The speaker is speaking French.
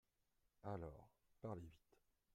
Alors, parlez vite.